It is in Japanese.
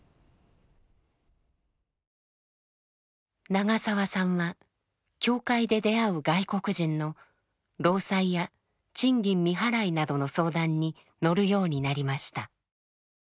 長澤さんは教会で出会う外国人の労災や賃金未払いなどの相談に乗るようになりました。